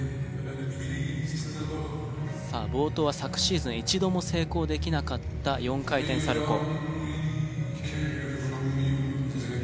さあ冒頭は昨シーズン一度も成功できなかった４回転サルコー。